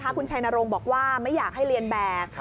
คุณชัยนรงค์บอกว่าไม่อยากให้เรียนแบบ